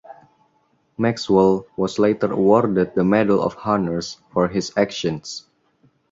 Maxwell was later awarded the Medal of Honor for his actions.